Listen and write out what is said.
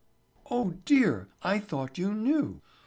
"Oh, dear, I thought you knew.